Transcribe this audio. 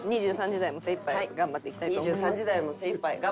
２３時台も精いっぱい頑張っていきます。